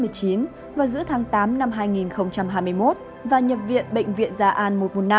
về nhiễm covid một mươi chín vào giữa tháng tám năm hai nghìn hai mươi một và nhập viện bệnh viện gia an một một năm